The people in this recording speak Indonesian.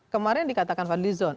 kemarin dikatakan fadlizon